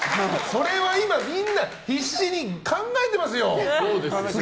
それは今みんな必死に考えてますよ。